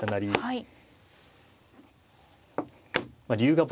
はい。